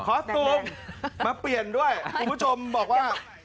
ตูมมาเปลี่ยนด้วยคุณผู้ชมบอกว่า